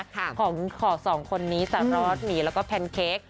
ของของสองคนนี้สระรอดหมี่แล้วก็แพนเค้ก